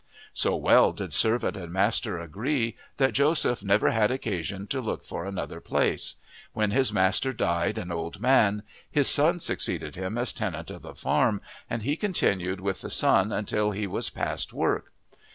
So well did servant and master agree that Joseph never had occasion to look for another place; when his master died an old man, his son succeeded him as tenant of the farm, and he continued with the son until he was past work.